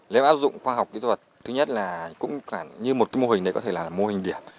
nếu áp dụng khoa học kỹ thuật thứ nhất là cũng như một mô hình này có thể là mô hình điểm